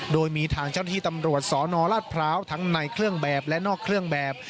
โดยมีทางเจ้าหน้าที่ตำรวจสนราชพร้าวทั้งในเครื่องแบบและนอกเครื่องแบบ